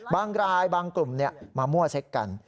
บางกลายบางกลมเนี่ยมามั่วเซ็กกัน